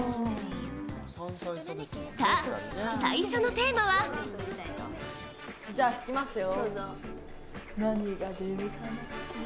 さあ、最初のテーマはじゃあ引きますよ。